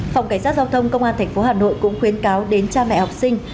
phòng cảnh sát giao thông công an tp hà nội cũng khuyến cáo đến cha mẹ học sinh